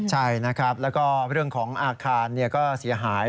ใช่นะครับแล้วก็เรื่องของอาคารก็เสียหาย